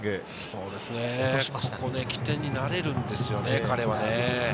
ここで起点になれるんですよね、彼は。